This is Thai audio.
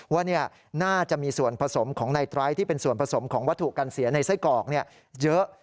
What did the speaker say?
ว่าน่าจะมีส่วนผสมของในไตรที่เป็นส่วนผสมของวัตถุกันเสียในไส้กรอกเยอะ